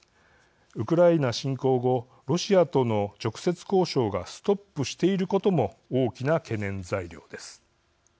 ウクライナ侵攻後ロシアとの直接交渉がストップしていることも大きな懸念材料です。